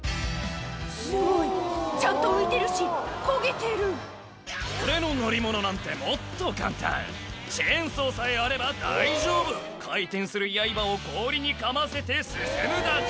すごいちゃんと浮いてるしこげてる「俺の乗り物なんてもっと簡単」「チェーンソーさえあれば大丈夫」「回転するやいばを氷にかませて進むだけ」